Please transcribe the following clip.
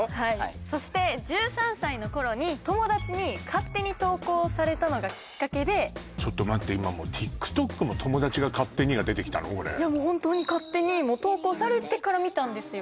そして１３歳の頃に友達に勝手に投稿されたのがきっかけでちょっと待って今もういやもうホントに勝手に投稿されてから見たんですよ